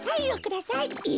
え！